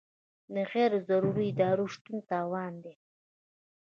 د غیر ضروري ادارو شتون تاوان دی.